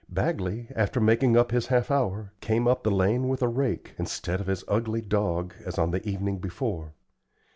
Bagley, after making up his half hour, came up the lane with a rake, instead of his ugly dog as on the evening before.